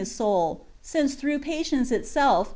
His Soul, since through patience itself.